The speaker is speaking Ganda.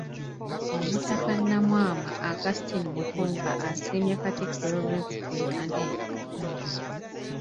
Omutaka Nnamwama Augustine Mutumba asiimye Katikkiro olw'ensisinkano eno